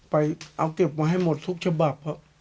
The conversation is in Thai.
ไปเอาเก็บมาให้หมดทุกฉบับ